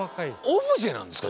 オブジェなんですか？